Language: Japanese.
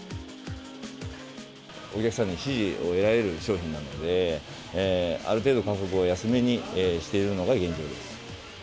お客さんの支持を得られる商品なので、ある程度、価格を安めにしているのが現状です。